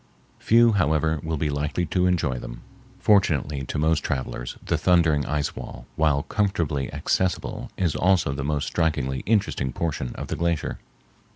Few, however, will be likely to enjoy them. Fortunately to most travelers the thundering ice wall, while comfortably accessible, is also the most strikingly interesting portion of the glacier.